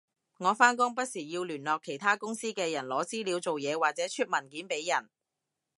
我返工不時要聯絡其他公司嘅人攞資料做嘢或者出文件畀人